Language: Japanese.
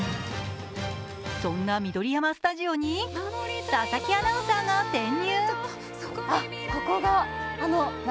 そんな緑山スタジオに佐々木アナウンサーが潜入。